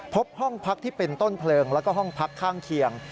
พบห้องพักที่เป็นต้นเพลิงแล้วก็ห้องพักข้างเคียง